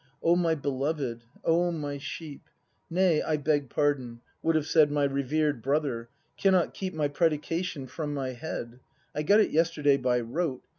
] O, my beloved! O, my sheep —! Nay, I beg pardon, — would have said My reverend brother! — cannot keep My predication from my head; I got it yesterday by rote.